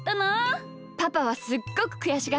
パパはすっごくくやしがってたけどね。